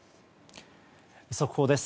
速報です。